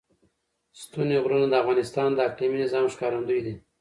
ستوني غرونه د افغانستان د اقلیمي نظام ښکارندوی ده.